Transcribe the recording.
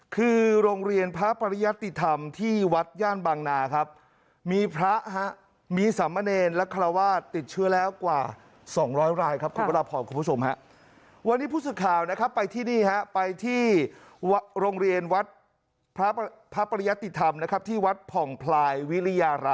คือโรงเรียนพาปริยะติธรรมที่วัด